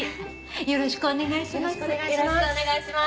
よろしくお願いします。